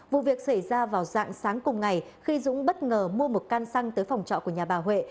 vụ việc xảy ra vào dạng sáng cùng ngày khi dũng bất ngờ mua một can xăng tới phòng trọ của nhà bà huệ